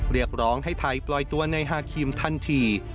เรียกร้องให้ไทยปล่อยตัวในฮาครีมทันที